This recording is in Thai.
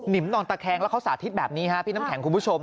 นอนตะแคงแล้วเขาสาธิตแบบนี้ฮะพี่น้ำแข็งคุณผู้ชม